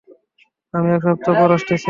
আমি এক সপ্তাহ পর আসতেছি।